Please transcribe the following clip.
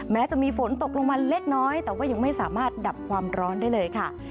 จะมีฝนตกลงมาเล็กน้อยแต่ว่ายังไม่สามารถดับความร้อนได้เลยค่ะ